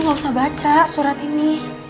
ibu gak usah baca surat ini